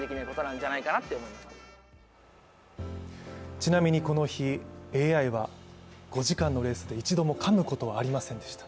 ちなみに、この日、ＡＩは５時間のレースで一度もかむことはありませんでした。